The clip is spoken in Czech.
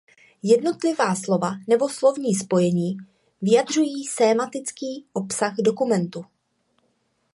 Jednotlivá slova nebo slovní spojení vyjadřují sémantický obsah dokumentu.